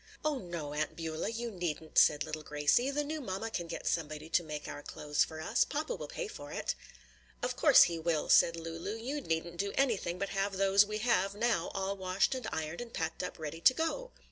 "Oh, no, Aunt Beulah, you needn't," said little Gracie, "the new mamma can get somebody to make our clothes for us. Papa will pay for it." "Of course he will," said Lulu. "You needn't do anything but have those we have now all washed and ironed and packed up ready to go."